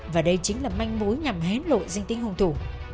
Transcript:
và đây chính là manh mối nhằm hén lội danh tính hung thủ